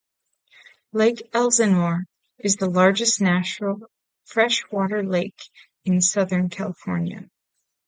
Lake Elsinore is the largest natural freshwater lake in Southern California.